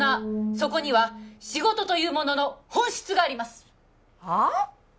そこには仕事というものの本質がありますはあっ！？